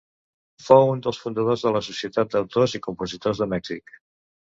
Fou un dels fundadors de la Societat d'Autors i Compositors de Mèxic.